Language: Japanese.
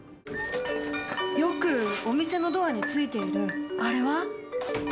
よくお店のドアについているあれは？